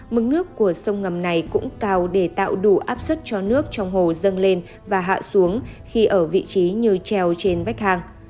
mức nước của sông ngầm này cũng cao để tạo đủ áp suất cho nước trong hồ dâng lên và hạ xuống khi ở vị trí như treo trên vách hàng